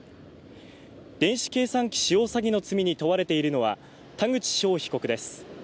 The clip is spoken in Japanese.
電子計算機使用詐欺の罪に問われているのは田口翔被告です